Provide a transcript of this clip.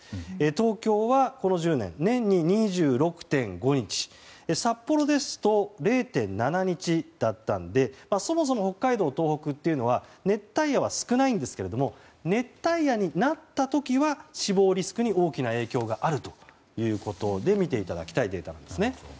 東京はこの１０年、年に２６．５日札幌ですと０．７日だったのでそもそも北海道、東北というのは熱帯夜は少ないんですが熱帯夜になった時は死亡リスクに大きな影響があるということで見ていただきたいデータなんですね。